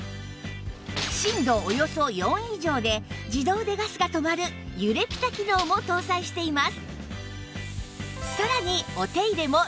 震度およそ４以上で自動でガスが止まる揺れピタ機能も搭載しています